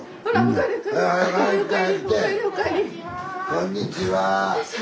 こんにちは。